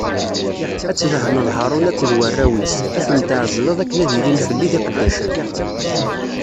Ad tdehneḍ Haṛun akked warraw-is, ad ten-tɛezleḍ akken ad ilin fell-i d iqeddacen.